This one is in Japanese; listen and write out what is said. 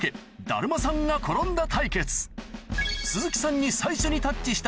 だるまさんが転んだ。